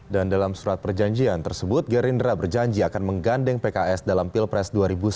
dan dalam surat perjanjian tersebut gerindra berjanji akan menggandeng pks dalam pilpres dua ribu sembilan belas